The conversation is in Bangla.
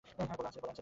হ্যাঁ, বলো আনসারি।